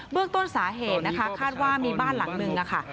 เรื่องต้นสาเหตุนะคะคาดว่ามีบ้านหลังนึงค่ะ